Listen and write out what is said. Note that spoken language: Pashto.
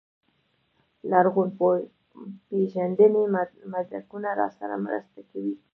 لرغونپېژندنې مدرکونه راسره مرسته کوي.